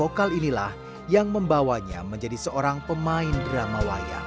lokal inilah yang membawanya menjadi seorang pemain drama wayang